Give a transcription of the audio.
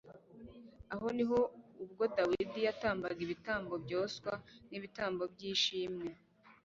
aho ni ho ubwo dawidi yatambaga ibitambo byoswa n'ibitambo by'ishimwe